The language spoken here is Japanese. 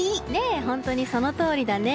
本当にそのとおりだね。